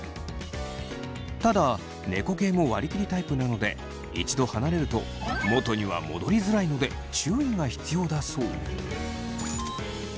ただ猫系も割り切りタイプなので一度離れると元には戻りづらいので注意が必要だそう。